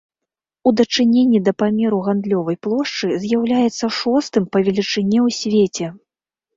У дачыненні да памеру гандлёвай плошчы з'яўляецца шостым па велічыні ў свеце.